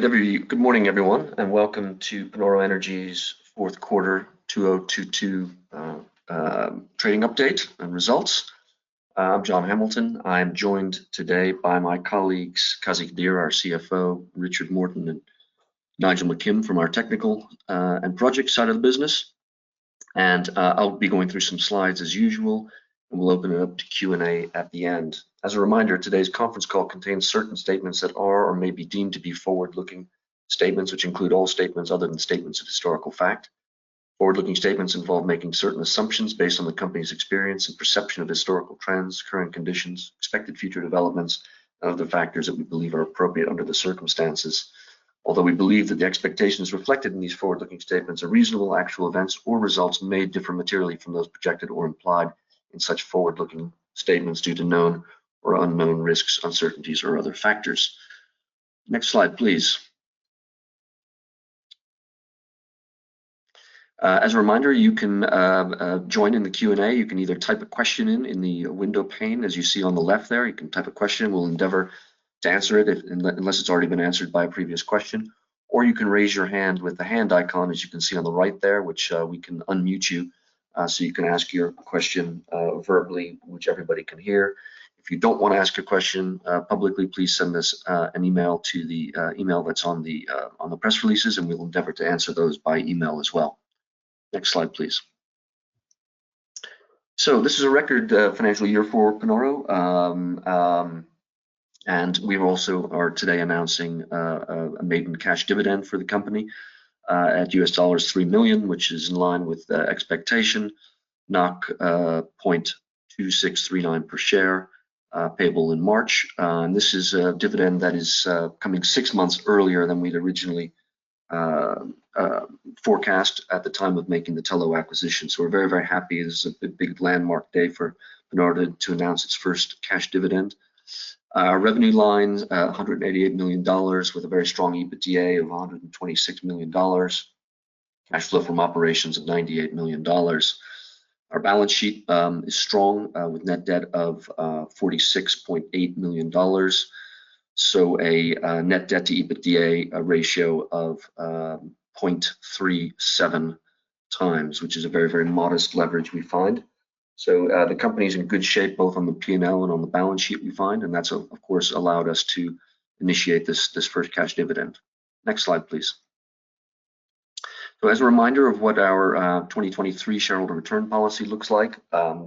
Good morning, everyone, and welcome to Panoro Energy's fourth quarter 2022 trading update and results. I'm John Hamilton. I am joined today by my colleagues, Qazi Qadeer, our CFO, Richard Morton, and Nigel McKim from our technical and project side of the business. I'll be going through some slides as usual, and we'll open it up to Q&A at the end. As a reminder, today's conference call contains certain statements that are or may be deemed to be forward-looking statements, which include all statements other than statements of historical fact. Forward-looking statements involve making certain assumptions based on the company's experience and perception of historical trends, current conditions, expected future developments, and other factors that we believe are appropriate under the circumstances. Although we believe that the expectations reflected in these forward-looking statements are reasonable, actual events or results may differ materially from those projected or implied in such forward-looking statements due to known or unknown risks, uncertainties or other factors. Next slide, please. As a reminder, you can join in the Q&A. You can either type a question in the window pane, as you see on the left there. You can type a question. We'll endeavor to answer it unless it's already been answered by a previous question. You can raise your hand with the hand icon, as you can see on the right there, which we can unmute you so you can ask your question verbally, which everybody can hear. If you don't wanna ask your question publicly, please send us an email to the email that's on the press releases. We will endeavor to answer those by email as well. Next slide, please. This is a record financial year for Panoro. We also are today announcing a maiden cash dividend for the company at $3 million, which is in line with the expectation, 0.2639 per share, payable in March. This is a dividend that is coming six months earlier than we'd originally forecast at the time of making the Tullow acquisition. We're very happy. This is a big landmark day for Panoro to announce its first cash dividend. Our revenue line, $188 million with a very strong EBITDA of $126 million. Cash flow from operations of $98 million. Our balance sheet is strong with net debt of $46.8 million. A net debt to EBITDA ratio of 0.37x, which is a very, very modest leverage we find. The company is in good shape, both on the P&L and on the balance sheet, we find, and that's of course allowed us to initiate this first cash dividend. Next slide, please. As a reminder of what our 2023 shareholder return policy looks like,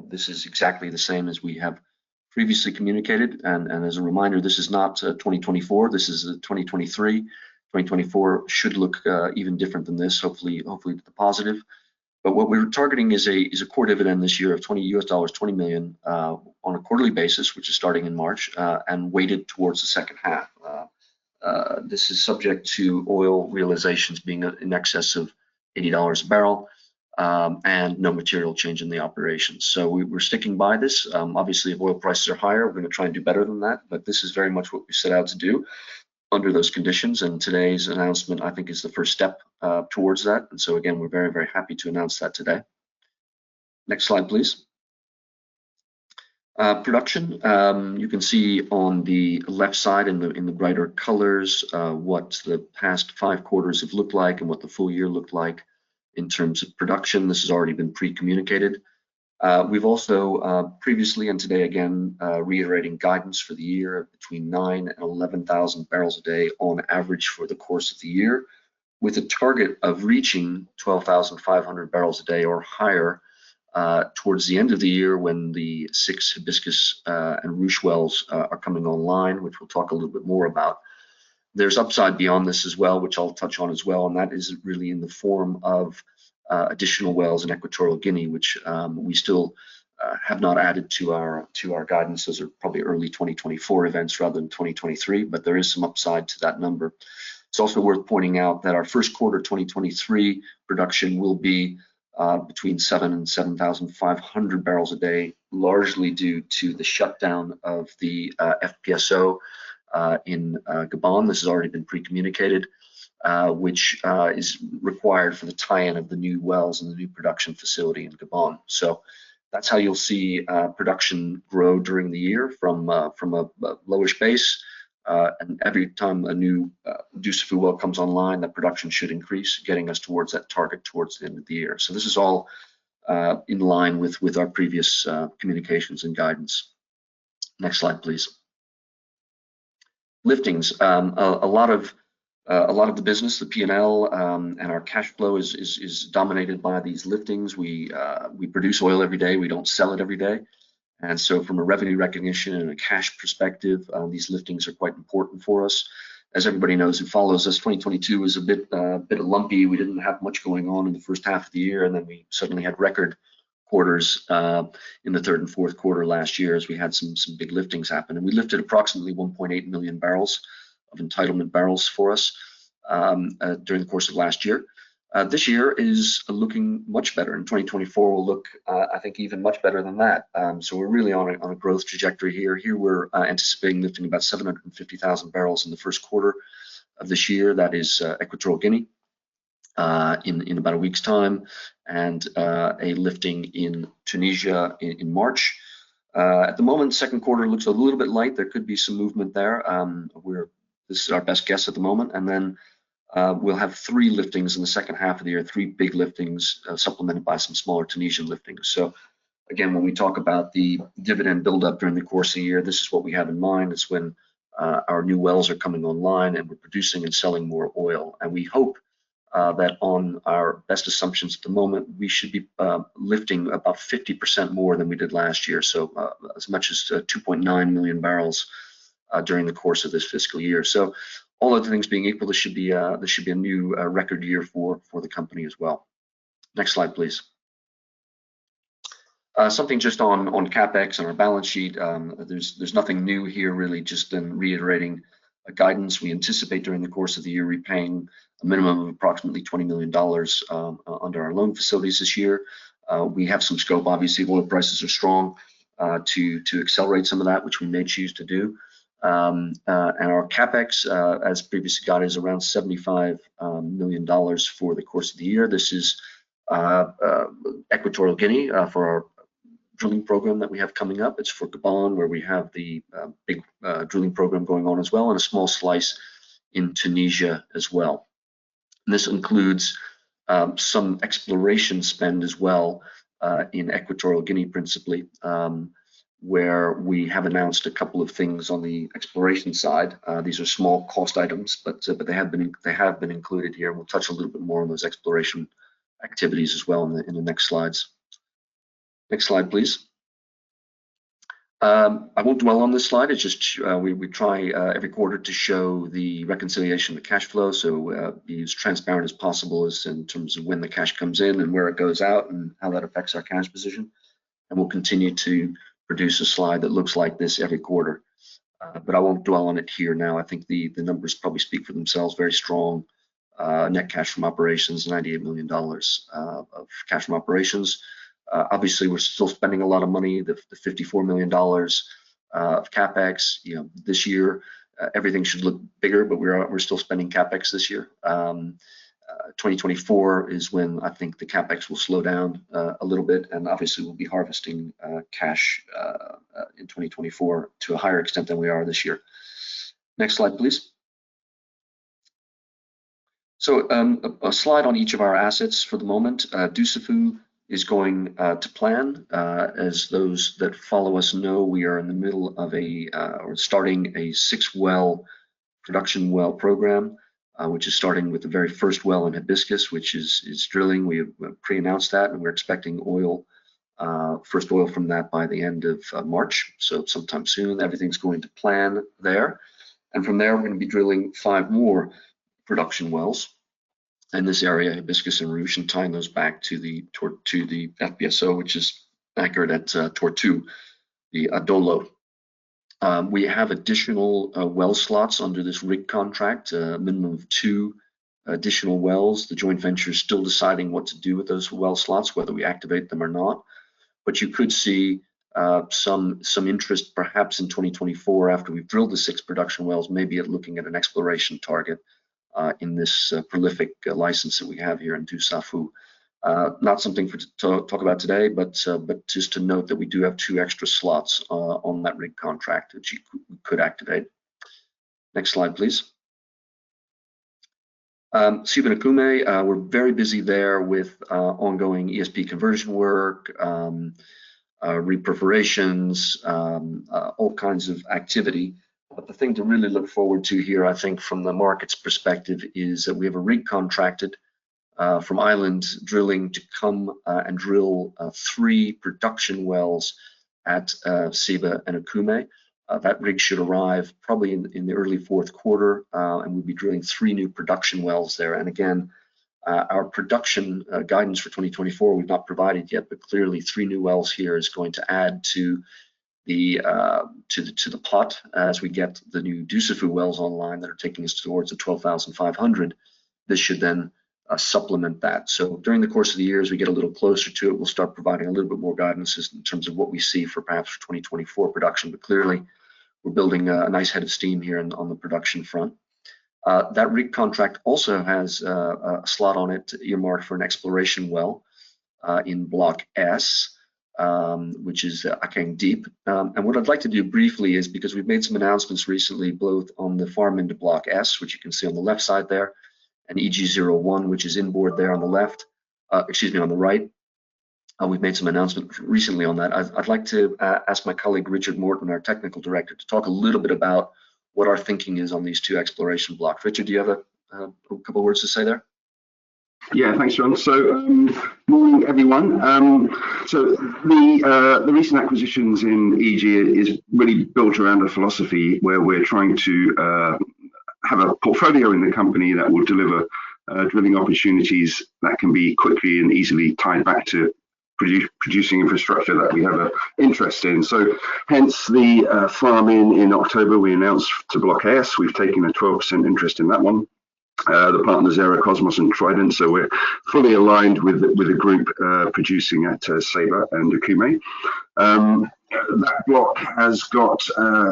this is exactly the same as we have previously communicated. As a reminder, this is not 2024, this is 2023. 2024 should look even different than this, hopefully to the positive. What we're targeting is a core dividend this year of $20 million on a quarterly basis, which is starting in March, and weighted towards the second half. This is subject to oil realizations being in excess of $80 a barrel, and no material change in the operations. We're sticking by this. Obviously, if oil prices are higher, we're gonna try and do better than that. This is very much what we set out to do under those conditions. Today's announcement, I think, is the first step towards that. Again, we're very happy to announce that today. Next slide, please. Production, you can see on the left side in the brighter colors, what the past five quarters have looked like and what the full year looked like in terms of production. This has already been pre-communicated. We've also previously and today again, reiterating guidance for the year between 9,000 and 11,000 barrels a day on average for the course of the year, with a target of reaching 12,500 barrels a day or higher, towards the end of the year when the six Hibiscus and Ruche wells are coming online, which we'll talk a little bit more about. There's upside beyond this as well, which I'll touch on as well, and that is really in the form of additional wells in Equatorial Guinea, which we still have not added to our guidance. Those are probably early 2024 events rather than 2023, but there is some upside to that number. It's also worth pointing out that our first quarter 2023 production will be between 7,000 and 7,500 barrels a day, largely due to the shutdown of the FPSO in Gabon. This has already been pre-communicated, which is required for the tie-in of the new wells and the new production facility in Gabon. That's how you'll see production grow during the year from a lower space. Every time a new Dussafu well comes online, that production should increase, getting us towards that target towards the end of the year. This is all in line with our previous communications and guidance. Next slide, please. Liftings. A lot of the business, the P&L, and our cash flow is dominated by these liftings. We produce oil every day. We don't sell it every day. From a revenue recognition and a cash perspective, these liftings are quite important for us. As everybody knows who follows us, 2022 was a bit lumpy. We didn't have much going on in the first half of the year, then we suddenly had record quarters in the third and fourth quarter last year as we had some big liftings happen. We lifted approximately 1.8 million barrels of entitlement barrels for us during the course of last year. This year is looking much better, 2024 will look, I think even much better than that. We're really on a growth trajectory. We're anticipating lifting about 750,000 barrels in the first quarter of this year. That is Equatorial Guinea in about a week's time, a lifting in Tunisia in March. At the moment, second quarter looks a little bit light. There could be some movement there, where this is our best guess at the moment. We'll have three liftings in the second half of the year, three big liftings, supplemented by some smaller Tunisian liftings. When we talk about the dividend buildup during the course of the year, this is what we have in mind, is when our new wells are coming online, and we're producing and selling more oil. We hope that on our best assumptions at the moment, we should be lifting about 50% more than we did last year, so as much as 2.9 million barrels during the course of this fiscal year. All other things being equal, this should be a new record year for the company as well. Next slide, please. Something just on CapEx and our balance sheet. There's nothing new here really, just in reiterating a guidance. We anticipate during the course of the year repaying a minimum of approximately $20 million under our loan facilities this year. We have some scope, obviously, oil prices are strong, to accelerate some of that, which we may choose to do. And our CapEx, as previously guided, is around $75 million for the course of the year. This is Equatorial Guinea for our drilling program that we have coming up. It's for Gabon, where we have the big drilling program going on as well, and a small slice in Tunisia as well. This includes some exploration spend as well in Equatorial Guinea, principally, where we have announced two things on the exploration side. These are small cost items, but they have been included here. We'll touch a little bit more on those exploration activities as well in the next slides. Next slide, please. I won't dwell on this slide. It's just we try every quarter to show the reconciliation, the cash flow, we be as transparent as possible as in terms of when the cash comes in and where it goes out and how that affects our cash position. We'll continue to produce a slide that looks like this every quarter. I won't dwell on it here now. I think the numbers probably speak for themselves. Very strong, net cash from operations, $98 million of cash from operations. Obviously, we're still spending a lot of money. The $54 million of CapEx, you know, this year, everything should look bigger, but we're still spending CapEx this year. 2024 is when I think the CapEx will slow down a little bit, obviously, we'll be harvesting cash in 2024 to a higher extent than we are this year. Next slide, please. A slide on each of our assets for the moment. Dussafu is going to plan. As those that follow us know, we are in the middle of a or starting a six-well production well program, which is starting with the very first well in Hibiscus, which is drilling. We have pre-announced that, and we're expecting first oil from that by the end of March. Sometime soon. Everything's going to plan there. From there, we're gonna be drilling five more production wells in this area, Hibiscus and Ruche, and tying those back to the FPSO, which is anchored at Tortue, the BW Adolo. We have additional well slots under this rig contract, a minimum of two additional wells. The joint venture is still deciding what to do with those well slots, whether we activate them or not. You could see some interest perhaps in 2024 after we've drilled the six production wells, maybe at looking at an exploration target in this prolific license that we have here in Dussafu. Not something to talk about today, just to note that we do have 2 extra slots on that rig contract that you could activate. Next slide, please. Ceiba and Okume, we're very busy there with ongoing ESP conversion work, reperforations, all kinds of activity. The thing to really look forward to here, I think from the market's perspective, is that we have a rig contracted from Island Drilling to come and drill 3 production wells at Ceiba and Okume. That rig should arrive probably in the early fourth quarter, and we'll be drilling 3 new production wells there. Again, our production guidance for 2024 we've not provided yet, but clearly three new wells here is going to add to the, to the, to the pot as we get the new Dussafu wells online that are taking us towards the 12,500. This should then supplement that. During the course of the year, as we get a little closer to it, we'll start providing a little bit more guidance in terms of what we see for perhaps for 2024 production. Clearly, we're building a nice head of steam here on the production front. That rig contract also has a slot on it earmarked for an exploration well in Block S, which is Akeng Deep. What I'd like to do briefly is, because we've made some announcements recently, both on the farm into Block S, which you can see on the left side there, and EG01, which is inboard there on the left. Excuse me, on the right. We've made some announcements recently on that. I'd like to ask my colleague, Richard Morton, our Technical Director, to talk a little bit about what our thinking is on these two exploration blocks. Richard, do you have a couple words to say there? Yeah. Thanks, John. Morning, everyone. The recent acquisitions in EG is really built around a philosophy where we're trying to have a portfolio in the company that will deliver drilling opportunities that can be quickly and easily tied back to producing infrastructure that we have an interest in. Hence the farm in October, we announced to Block S. We've taken a 12% interest in that one. The partners are Kosmos and Trident, we're fully aligned with a group producing at Ceiba and Okume. That block has got a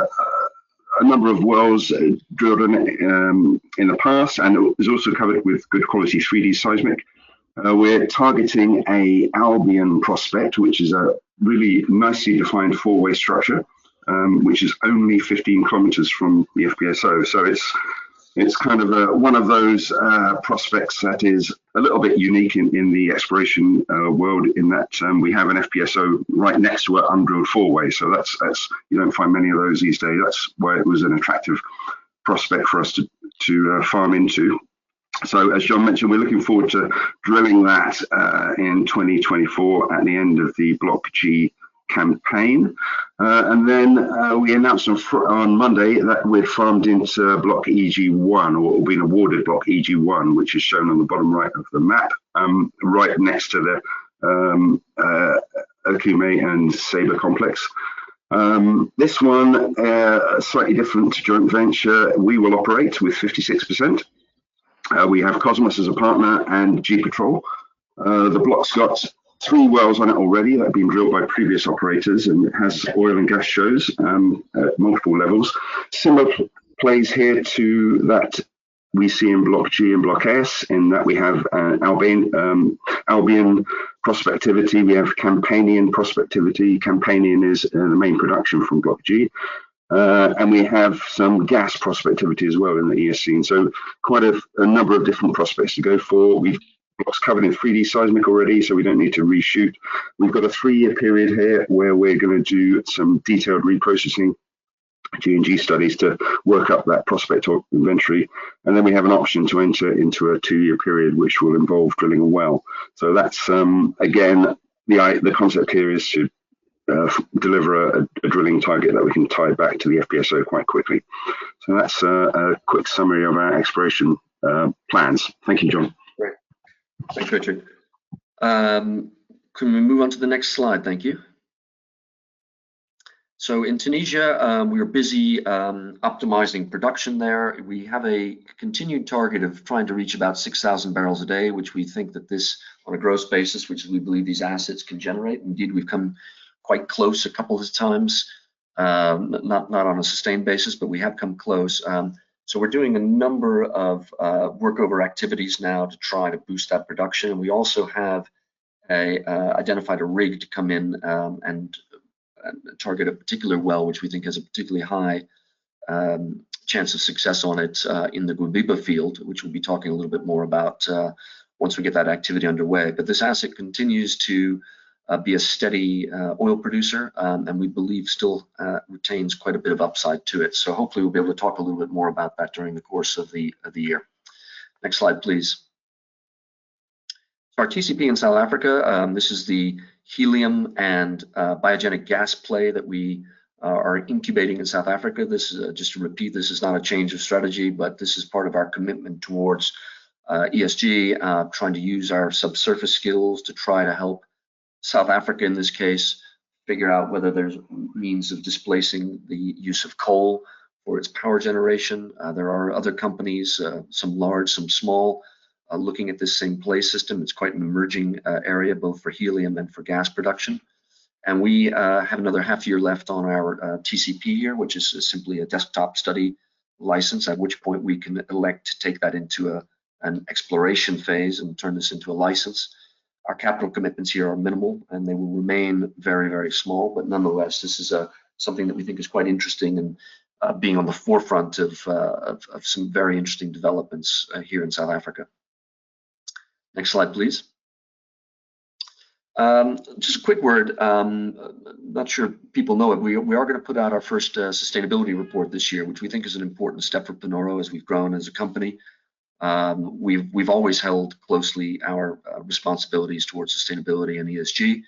number of wells drilled in the past and is also covered with good quality 3D seismic. We're targeting a Albian prospect, which is a really nicely defined four-way structure, which is only 15 kilometers from the FPSO. It's, it's kind of, one of those, prospects that is a little bit unique in the exploration, world in that, we have an FPSO right next to an undrilled four-way. That's, you don't find many of those these days. That's why it was an attractive prospect for us to farm into. As John mentioned, we're looking forward to drilling that in 2024 at the end of the Block G campaign. And then, we announced on Monday that we'd farmed into Block EG1 or been awarded Block EG1, which is shown on the bottom right of the map, right next to the Okume and Ceiba Complex. This one, slightly different joint venture we will operate with 56%. We have Kosmos as a partner and GEPetrol. The block's got three wells on it already that have been drilled by previous operators, and it has oil and gas shows at multiple levels. Similar plays here to that we see in Block G and Block S in that we have Albian prospectivity. We have Campanian prospectivity. Campanian is the main production from Block G. We have some gas prospectivity as well in the Eocene. Quite a number of different prospects to go for. The block's covered in 3D seismic already, so we don't need to reshoot. We've got a three-year period here where we're gonna do some detailed reprocessing, G&G studies to work up that prospect or inventory. Then we have an option to enter into a two-year period, which will involve drilling a well. That's, again, the concept here is to deliver a drilling target that we can tie back to the FPSO quite quickly. That's a quick summary of our exploration plans. Thank you, John. Great. Thanks, Richard. Can we move on to the next slide? Thank you. In Tunisia, we are busy optimizing production there. We have a continued target of trying to reach about 6,000 barrels a day, which we think that this on a gross basis, which we believe these assets can generate. Indeed, we've come quite close a couple of times, not on a sustained basis, but we have come close. We're doing a number of workover activities now to try to boost that production. We also have identified a rig to come in and target a particular well, which we think has a particularly high chance of success on it in the Guebiba Field, which we'll be talking a little bit more about once we get that activity underway. This asset continues to be a steady oil producer, and we believe still retains quite a bit of upside to it. Hopefully we'll be able to talk a little bit more about that during the course of the year. Next slide, please. Our TCP in South Africa, this is the helium and biogenic gas play that we are incubating in South Africa. Just to repeat, this is not a change of strategy, but this is part of our commitment towards ESG, trying to use our subsurface skills to try to help South Africa, in this case, figure out whether there's means of displacing the use of coal for its power generation. There are other companies, some large, some small, looking at this same play system. It's quite an emerging area both for helium and for gas production. We have another half year left on our TCP year, which is simply a desktop study license, at which point we can elect to take that into an exploration phase and turn this into a license. Our capital commitments here are minimal, and they will remain very, very small. Nonetheless, this is something that we think is quite interesting and being on the forefront of some very interesting developments here in South Africa. Next slide, please. Just a quick word. Not sure people know it. We are gonna put out our first sustainability report this year, which we think is an important step for Panoro as we've grown as a company. We've always held closely our responsibilities towards sustainability and ESG.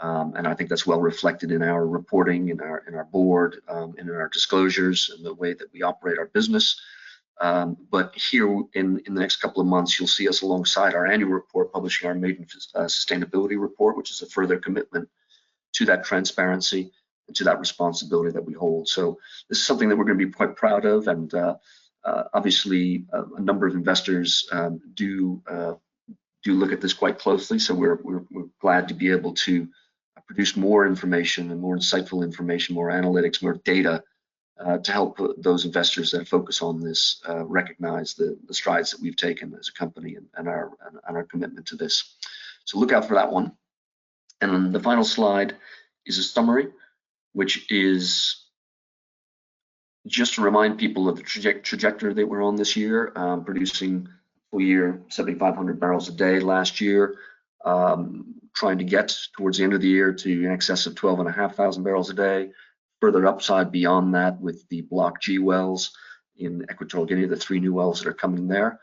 I think that's well reflected in our reporting, in our board, and in our disclosures and the way that we operate our business. Here in the next couple of months, you'll see us alongside our annual report publishing our maiden sustainability report, which is a further commitment to that transparency and to that responsibility that we hold. This is something that we're gonna be quite proud of. Obviously a number of investors do look at this quite closely. We're glad to be able to produce more information and more insightful information, more analytics, more data, to help those investors that focus on this, recognize the strides that we've taken as a company and our commitment to this. Look out for that one. The final slide is a summary, which is just to remind people of the trajectory that we're on this year, producing full year 7,500 barrels a day last year. Trying to get towards the end of the year to in excess of 12,500 barrels a day. Further upside beyond that with the Block G wells in Equatorial Guinea, the three new wells that are coming there.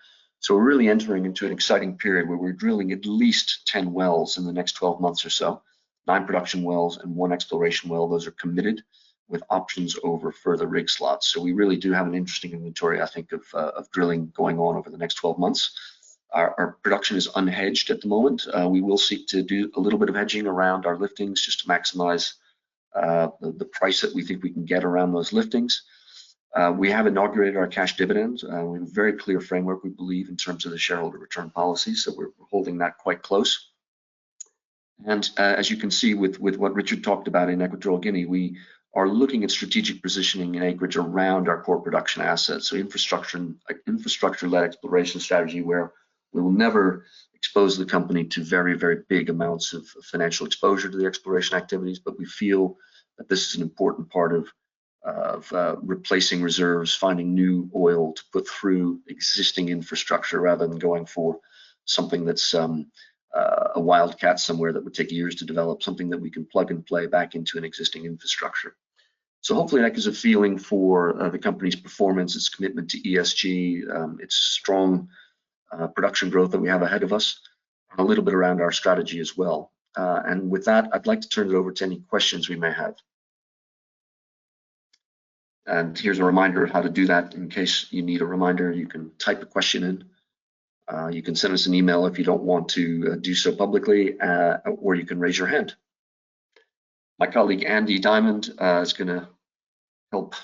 We're really entering into an exciting period where we're drilling at least 10 wells in the next 12 months or so. Nine production wells and one exploration well. Those are committed with options over further rig slots. We really do have an interesting inventory, I think, of drilling going on over the next 12 months. Our production is unhedged at the moment. We will seek to do a little bit of hedging around our liftings just to maximize the price that we think we can get around those liftings. We have inaugurated our cash dividends. We have a very clear framework, we believe, in terms of the shareholder return policy, so we're holding that quite close. As you can see with what Richard talked about in Equatorial Guinea, we are looking at strategic positioning and acreage around our core production assets. Infrastructure, like infrastructure-led exploration strategy, where we will never expose the company to very, very big amounts of financial exposure to the exploration activities. We feel that this is an important part of replacing reserves, finding new oil to put through existing infrastructure rather than going for something that's a wildcat somewhere that would take years to develop, something that we can plug and play back into an existing infrastructure. Hopefully that gives a feeling for the company's performance, its commitment to ESG, its strong production growth that we have ahead of us, and a little bit around our strategy as well. With that, I'd like to turn it over to any questions we may have. Here's a reminder of how to do that in case you need a reminder. You can type a question in. You can send us an email if you don't want to do so publicly, or you can raise your hand. My colleague, Andy Dymond, is gonna help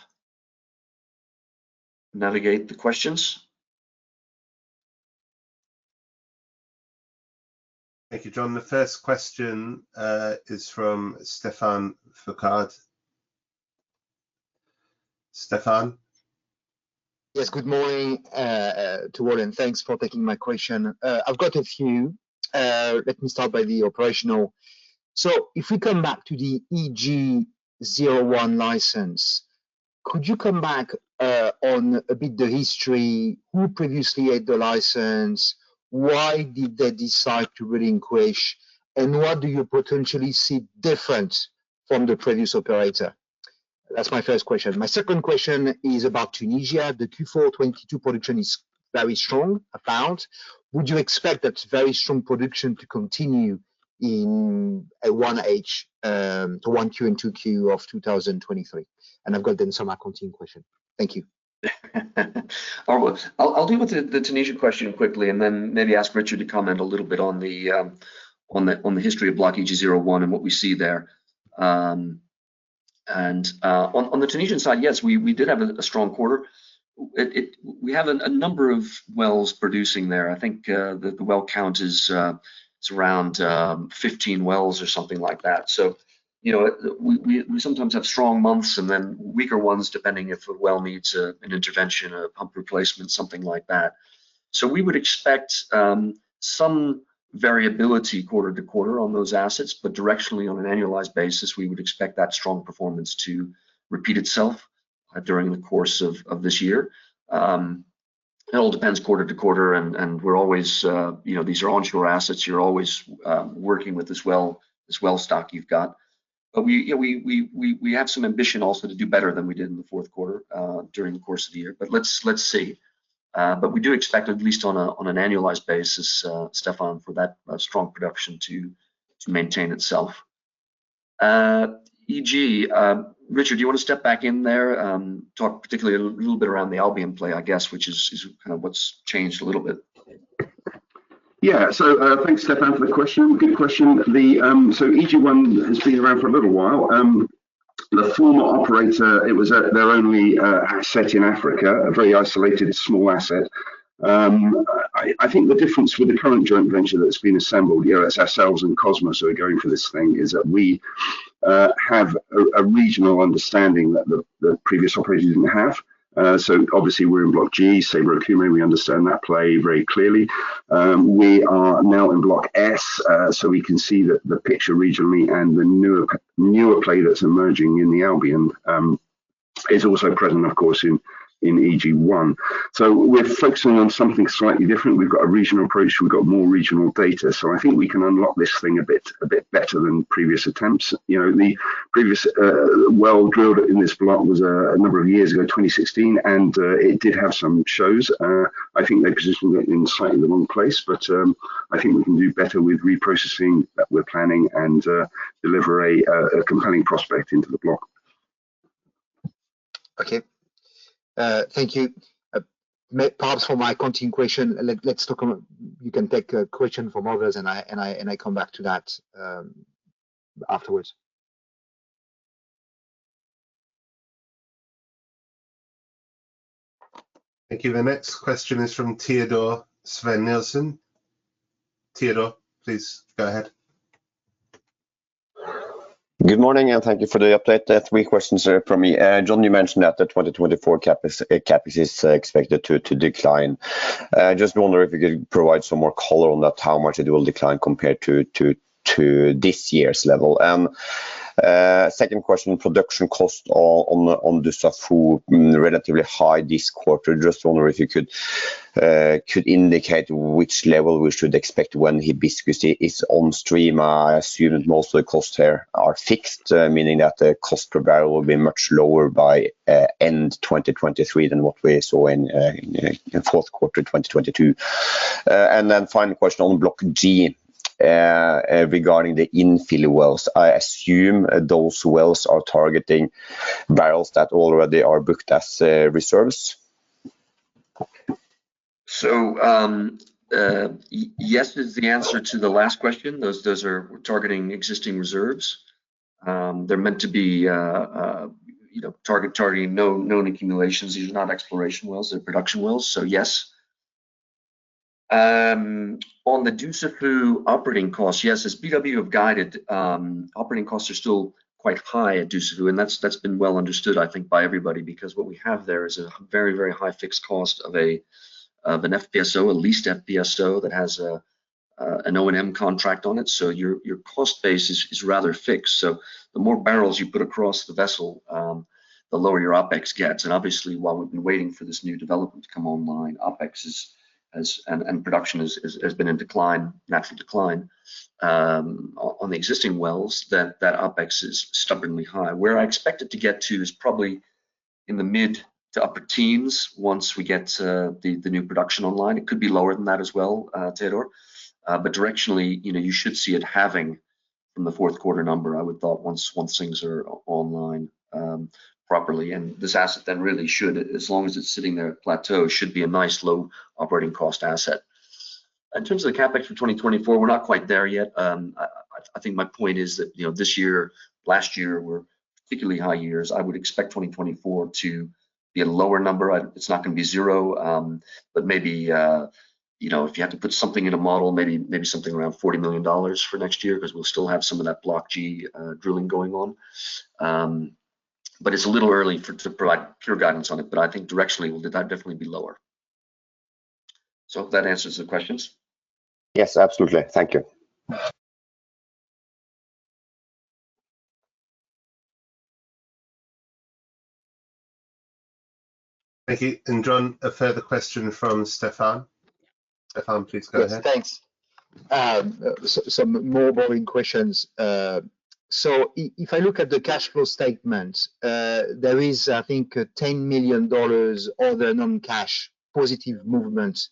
navigate the questions. Thank you, John. The first question is from Stefan Foucaud. Stefan? Yes. Good morning, to all, and thanks for taking my question. I've got a few. Let me start by the operational. If we come back to the EG01 license, could you come back, on a bit the history, who previously had the license? Why did they decide to relinquish? What do you potentially see different from the previous operator? That's my first question. My second question is about Tunisia. The 2022 production is very strong, about. Would you expect that very strong production to continue in 1H, to 1Q and 2Q of 2023? I've got then some accounting question. Thank you. I'll deal with the Tunisia question quickly and then maybe ask Richard to comment a little bit on the history of block EG01 and what we see there. On the Tunisian side, yes, we did have a strong quarter. We have a number of wells producing there. I think the well count is around 15 wells or something like that. You know, we sometimes have strong months and then weaker ones depending if a well needs an intervention, a pump replacement, something like that. We would expect some variability quarter to quarter on those assets, but directionally on an annualized basis, we would expect that strong performance to repeat itself during the course of this year. It all depends quarter to quarter and we're always, you know, these are onshore assets. You're always working with this well, this well stock you've got. We, you know, we have some ambition also to do better than we did in the fourth quarter during the course of the year. Let's see. We do expect at least on an annualized basis, Stefan, for that strong production to maintain itself. EG, Richard, do you want to step back in there, talk particularly a little bit around the Albian play, I guess, which is kind of what's changed a little bit? Yeah. Thanks, Stèfan, for the question. Good question. EG01 has been around for a little while. The former operator, it was their only asset in Africa, a very isolated small asset. I think the difference with the current joint venture that's been assembled, you know, it's ourselves and Kosmos who are going for this thing, is that we have a regional understanding that the previous operator didn't have. Obviously we're in Block G, Ceiba, Okume. We understand that play very clearly. We are now in Block S, so we can see the picture regionally and the newer play that's emerging in the Albian is also present, of course, in EG01. We're focusing on something slightly different. We've got a regional approach. We've got more regional data. I think we can unlock this thing a bit better than previous attempts. You know, the previous well drilled in this block was a number of years ago, 2016, it did have some shows. I think they positioned it in slightly the wrong place, but I think we can do better with reprocessing that we're planning and deliver a compelling prospect into the block. Okay. Thank you. Pause for my accounting question. You can take a question from others, and I come back to that afterwards. Thank you. The next question is from Teodor Sveen-Nilsen. Teodor, please go ahead. Good morning. Thank you for the update. Three questions from me. John, you mentioned that the 2024 CapEx is expected to decline. Just wondering if you could provide some more color on that, how much it will decline compared to this year's level. Second question, production cost on the Dussafu, relatively high this quarter. Just wonder if you could indicate which level we should expect when Hibiscus is on stream. I assume most of the costs there are fixed, meaning that the cost per barrel will be much lower by end 2023 than what we saw in fourth quarter 2022. Final question on Block G regarding the infill wells. I assume those wells are targeting barrels that already are booked as reserves. Yes is the answer to the last question. Those are targeting existing reserves. They're meant to be, you know, targeting known accumulations. These are not exploration wells, they're production wells. Yes. On the Dussafu operating costs, yes, as BW have guided, operating costs are still quite high at Dussafu, and that's been well understood, I think, by everybody because what we have there is a very, very high fixed cost of an FPSO, a leased FPSO that has an O&M contract on it. Your cost base is rather fixed. The more barrels you put across the vessel, the lower your OPEX gets. Obviously, while we've been waiting for this new development to come online, OPEX is. And production is, has been in decline, natural decline, on the existing wells. That OPEX is stubbornly high. Where I expect it to get to is probably in the mid to upper teens once we get the new production online. It could be lower than that as well, Teodor. Directionally, you know, you should see it halving from the fourth quarter number I would thought once things are online properly. This asset then really should, as long as it's sitting there at plateau, should be a nice low operating cost asset. In terms of the CapEx for 2024, we're not quite there yet. I think my point is that, you know, this year, last year were particularly high years. I would expect 2024 to be a lower number. It's not gonna be zero. Maybe, you know, if you had to put something in a model, maybe something around $40 million for next year 'cause we'll still have some of that Block G drilling going on. It's a little early to provide clear guidance on it. I think directionally that that'd definitely be lower. Hope that answers the questions. Yes, absolutely. Thank you. Thank you. John, a further question from Stèfan. Stèfan, please go ahead. Yes, thanks. Some more boring questions. If I look at the cash flow statement, there is, I think, a $10 million other non-cash positive movements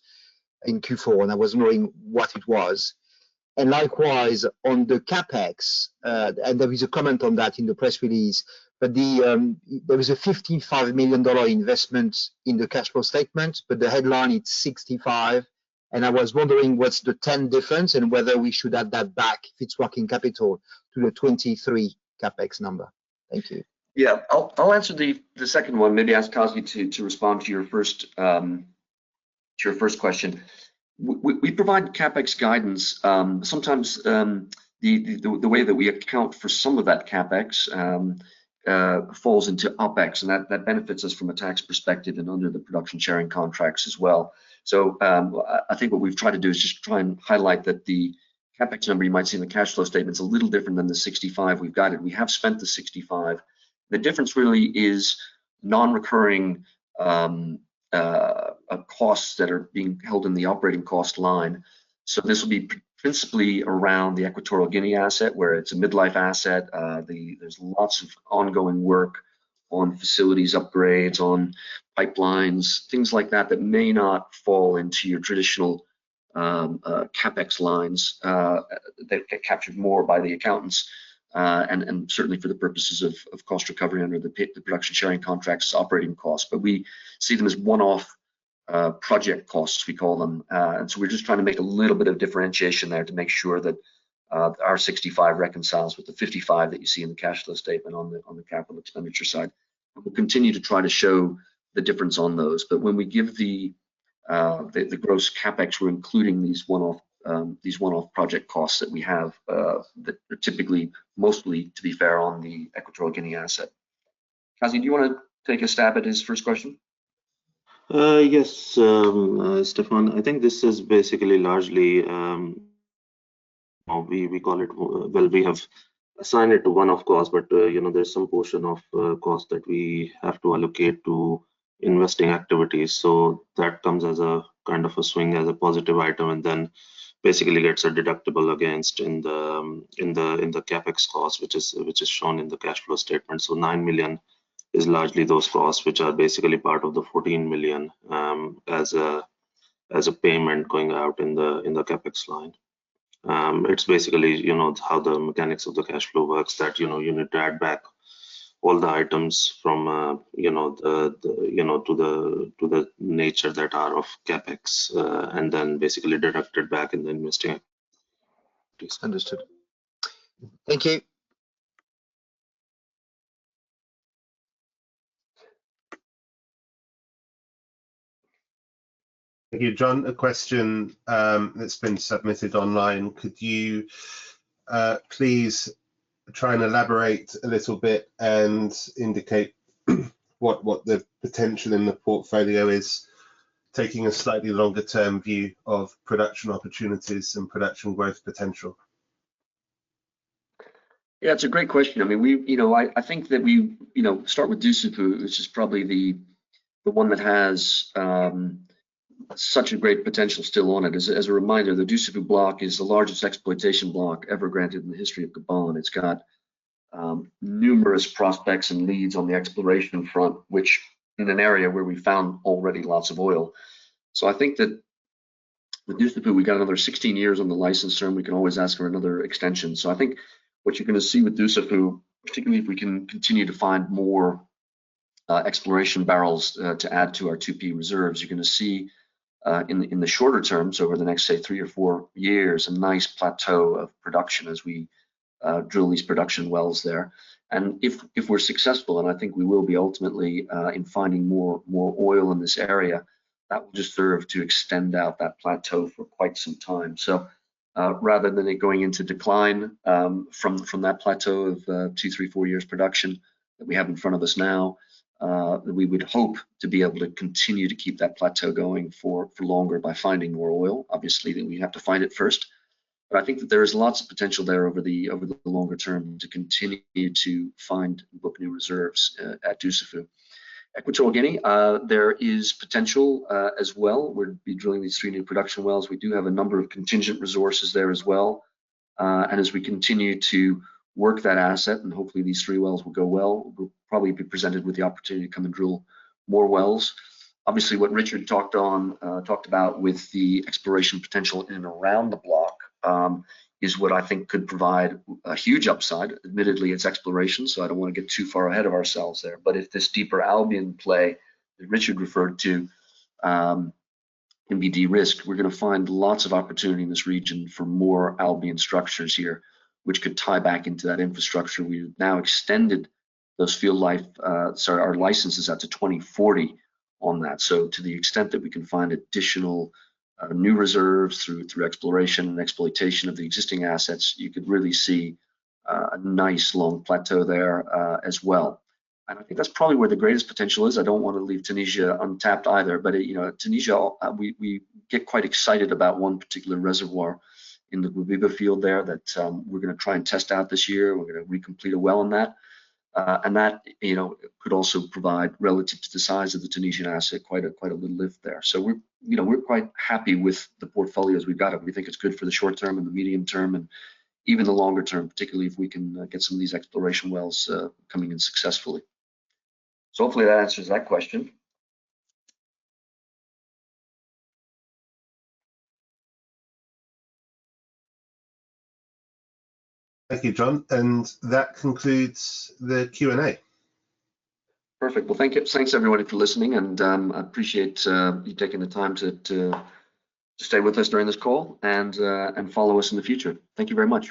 in Q4, and I was wondering what it was? Likewise, on the CapEx, there is a comment on that in the press release, but there is a $55 million investment in the cash flow statement, but the headline, it's 65, and I was wondering what's the 10 difference and whether we should add that back if it's working capital to the 23 CapEx number? Thank you. I'll answer the second one, maybe ask Qazi to respond to your first question. We provide CapEx guidance. Sometimes, the way that we account for some of that CapEx falls into OPEX, and that benefits us from a tax perspective and under the Production Sharing Contracts as well. I think what we've tried to do is just try and highlight that the CapEx number you might see in the cash flow statement's a little different than the $65 we've guided. We have spent the $65. The difference really is non-recurring costs that are being held in the operating cost line. This will be principally around the Equatorial Guinea asset, where it's a mid-life asset. The... There's lots of ongoing work on facilities upgrades, on pipelines, things like that that may not fall into your traditional CapEx lines that get captured more by the accountants. Certainly for the purposes of cost recovery under the Production Sharing Contracts' operating costs. We see them as one-off project costs, we call them. So we're just trying to make a little bit of differentiation there to make sure that our 65 reconciles with the 55 that you see in the cash flow statement on the capital expenditure side. We'll continue to try to show the difference on those. When we give the gross CapEx, we're including these one-off these one-off project costs that we have that are typically mostly, to be fair, on the Equatorial Guinea asset. Qazi, do you wanna take a stab at his first question? Yes, Stefan. I think this is basically largely, Well, we have assigned it to one-off costs, but, you know, there's some portion of cost that we have to allocate to investing activities. That comes as a kind of a swing as a positive item and then basically gets a deductible against in the CapEx cost, which is shown in the cash flow statement. $9 million is largely those costs, which are basically part of the $14 million as a payment going out in the CapEx line. It's basically, you know, how the mechanics of the cash flow works that, you know, you need to add back all the items from the nature that are of CapEx, and then basically deducted back in the investing. Understood. Thank you. Thank you. John, a question that's been submitted online. Could you please try and elaborate a little bit and indicate what the potential in the portfolio is, taking a slightly longer term view of production opportunities and production growth potential? Yeah, it's a great question. I mean, you know, I think that we, you know, start with Dussafu, which is probably the one that has such a great potential still on it. As a reminder, the Dussafu block is the largest exploitation block ever granted in the history of Gabon. It's got numerous prospects and leads on the exploration front, which in an area where we found already lots of oil. I think that with Dussafu, we've got another 16 years on the license, and we can always ask for another extension. I think what you're going to see with Dussafu, particularly if we can continue to find more exploration barrels to add to our 2P reserves, you're going to see in the shorter terms over the next, say, 3 or 4 years, a nice plateau of production as we drill these production wells there. If we're successful, and I think we will be ultimately in finding more oil in this area, that will just serve to extend out that plateau for quite some time. Rather than it going into decline from that plateau of two, three, four years production that we have in front of us now, that we would hope to be able to continue to keep that plateau going for longer by finding more oil. Obviously, we have to find it first. I think that there is lots of potential there over the longer term to continue to find and book new reserves at Dussafu. Equatorial Guinea, there is potential as well. We'll be drilling these three new production wells. We do have a number of contingent resources there as well. As we continue to work that asset, and hopefully these three wells will go well, we'll probably be presented with the opportunity to come and drill more wells. What Richard talked about with the exploration potential in and around the block, is what I think could provide a huge upside. Admittedly, it's exploration, so I don't wanna get too far ahead of ourselves there. If this deeper Albian play that Richard referred to, can be de-risked, we're gonna find lots of opportunity in this region for more Albian structures here, which could tie back into that infrastructure. We've now extended those field life, our licenses out to 2040 on that. To the extent that we can find additional new reserves through exploration and exploitation of the existing assets, you could really see a nice long plateau there as well. I think that's probably where the greatest potential is. I don't wanna leave Tunisia untapped either. You know, Tunisia, we get quite excited about one particular reservoir in the Guebiba field there that we're gonna try and test out this year. We're gonna recomplete a well on that. That, you know, could also provide relative to the size of the Tunisian asset, quite a, quite a little lift there. We're, you know, we're quite happy with the portfolio as we've got it. We think it's good for the short term and the medium term, and even the longer term, particularly if we can get some of these exploration wells coming in successfully. Hopefully that answers that question. Thank you, John. That concludes the Q&A. Perfect. Well, thank you. Thanks everybody for listening, and I appreciate you taking the time to stay with us during this call and follow us in the future. Thank you very much.